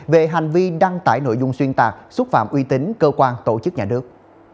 về hành vi đăng tải nội dung xuyên tạc xúc phạm uy tín cơ quan tổ chức nhà nước